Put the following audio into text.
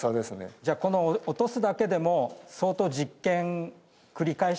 じゃあこの落とすだけでも相当実験繰り返して。